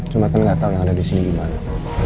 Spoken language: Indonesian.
cuma kan gak tahu yang ada disini gimana